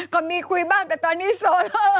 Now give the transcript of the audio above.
ก็มีคุยบ้างแต่ตอนนี้โซโล